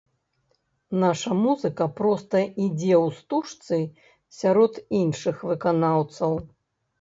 Наша музыка проста ідзе ў стужцы сярод іншых выканаўцаў.